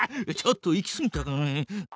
ちょっと行きすぎたかね。